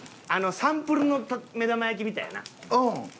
サンプルの目玉焼きみたいやなホンマに。